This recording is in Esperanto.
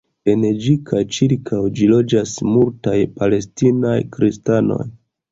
En ĝi kaj ĉirkaŭ ĝi loĝas multaj palestinaj kristanoj.